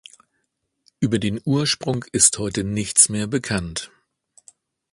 Über den Ursprung ist heute nichts mehr bekannt.